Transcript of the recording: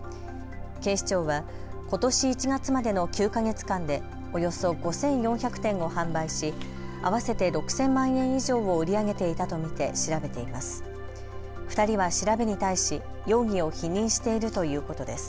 警視庁はことし１月までの９か月間でおよそ５４００点を販売し、合わせて６０００万円以上を売り上げていたと見て調べています。